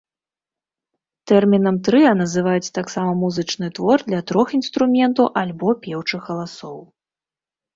Тэрмінам трыа называюць таксама музычны твор для трох інструментаў альбо пеўчых галасоў.